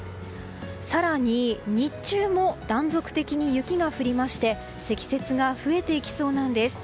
更に、日中も断続的に雪が降りまして積雪が増えていきそうなんです。